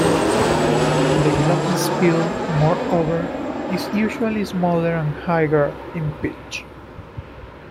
The glockenspiel, moreover, is usually smaller and higher in pitch.